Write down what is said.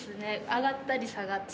上がったり下がったり。